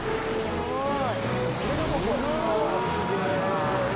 すごい。